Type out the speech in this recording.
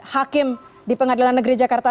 hakim di pengadilan negeri jakarta